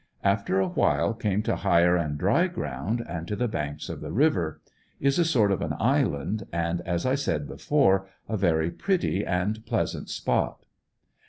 After a while came to higher and dry land and to the banks of the river. Is a sort of an island, and as I said before, a very pretty and pleas ant spot.